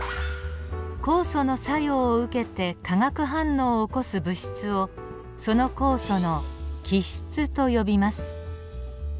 酵素の作用を受けて化学反応を起こす物質をその酵素の「基質」と呼びます。